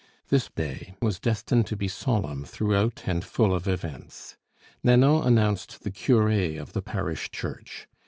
This day was destined to be solemn throughout and full of events. Nanon announced the cure of the parish church.